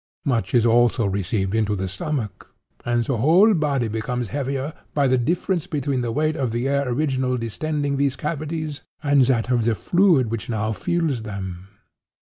Much is also received into the stomach, and the whole body becomes heavier by the difference between the weight of the air originally distending these cavities, and that of the fluid which now fills them.